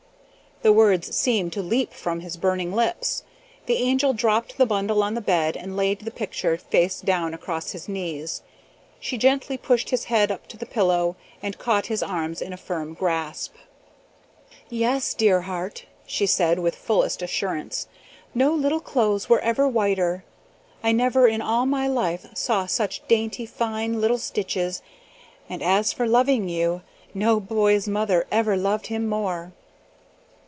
The words seemed to leap from his burning lips. The Angel dropped the bundle on the bed and laid the picture face down across his knees. She gently pushed his head to the pillow and caught his arms in a firm grasp. "Yes, dear heart," she said with fullest assurance. "No little clothes were ever whiter. I never in all my life saw such dainty, fine, little stitches; and as for loving you, no boy's mother ever loved him more!"